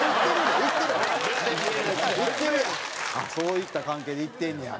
そういった関係で行ってんねや。